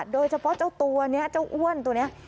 เจ้าตัวนี้เจ้าอ้วนตัวนี้